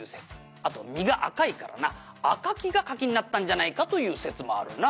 「あと実が赤いからな赤きが柿になったんじゃないかという説もあるな」